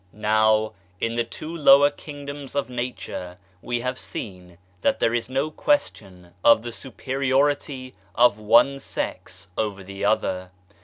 Now in the two lower kingdoms of Nature we have seen that there is no question of the superiority of one sex over the other.